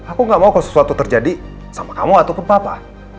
aku gak mau kalau sesuatu terjadi sama kamu ataupun papa